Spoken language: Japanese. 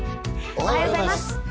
おはようございます。